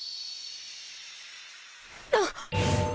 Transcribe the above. あっ！